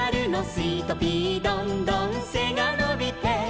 「スイトピーどんどん背が伸びて」